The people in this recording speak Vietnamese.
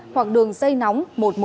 hoặc đường dây nóng một trăm một mươi ba